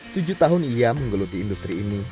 tujuh tahun ia menggeluti industri ini